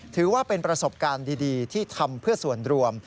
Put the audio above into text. ถือว่าเป็นประสบการณ์ดีที่ทำเพื่อส่วนรวม